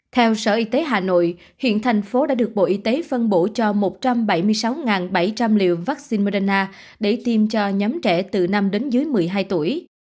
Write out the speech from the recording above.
theo sở y tế hà nội hiện thành phố đã được bộ y tế phân bổ cho một trăm bảy mươi sáu bảy trăm linh liều vaccine morena để tiêm cho nhóm trẻ từ năm đến dưới một mươi hai tuổi